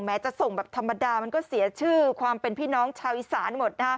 จะส่งแบบธรรมดามันก็เสียชื่อความเป็นพี่น้องชาวอีสานหมดนะ